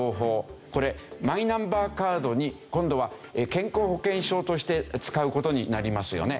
これマイナンバーカードに今度は健康保険証として使う事になりますよね。